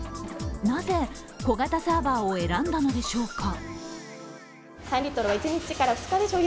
なぜ小型サーバーを選んだのでしょうか？